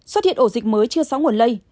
xuất hiện ổ dịch mới chưa sóng nguồn lây